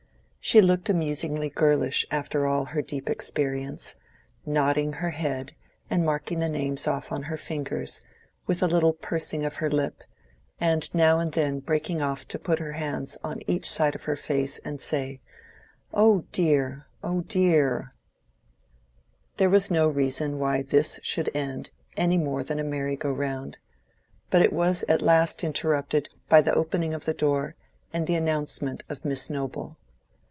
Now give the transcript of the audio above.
She looked amusingly girlish after all her deep experience—nodding her head and marking the names off on her fingers, with a little pursing of her lip, and now and then breaking off to put her hands on each side of her face and say, "Oh dear! oh dear!" There was no reason why this should end any more than a merry go round; but it was at last interrupted by the opening of the door and the announcement of Miss Noble.